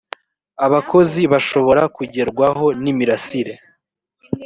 abakozi bashobora kugerwaho n imirasire